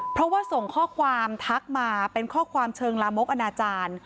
เพราะว่าส่งข้อความทักมาเป็นข้อความเชิงลามกอนาจารย์